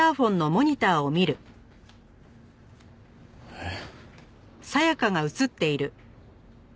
えっ！？